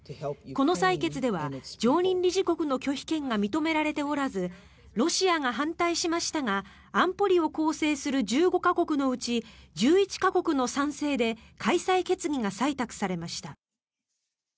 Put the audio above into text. この採決では常任理事国の拒否権が認められておらずロシアが反対しましたが安保理を構成する１５か国のうち１１か国の賛成で開催決議が採択されました。